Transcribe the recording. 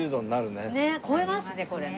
ねえ。超えますねこれね。